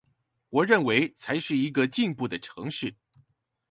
我認為才是一個進步的城市